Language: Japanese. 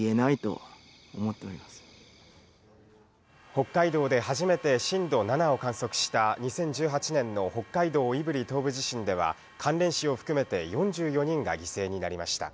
北海道で初めて震度７を観測した２０１８年の北海道胆振東部地震では関連死を含めて４４人が犠牲になりました。